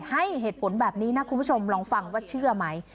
ให้เหตุผลแบบนี้นะคุณผู้ชมลองฟังว่าเชื่อไหม